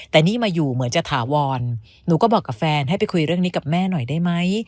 แต่นี่มาอยู่เหมือนจะถาวรหนูก็บอกกับแฟนให้ไปคุยเรื่องนี้กับแม่หน่อยได้ไหม